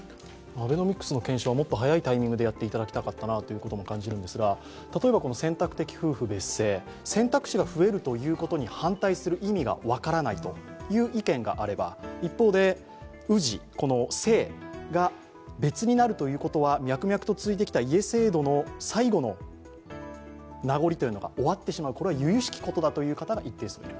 アベノミクスの検証はもっと早いタイミングでやっていただきたかったなと感じるんですが例えば選択的夫婦別姓、選択肢が増えることに反対する意味が分からないという意見があれば、一方で、氏、姓が別になるということは脈々と続いてきた家制度の最後の名残というのが終わってしまうこれはゆゆしきことだという方が一定数いる。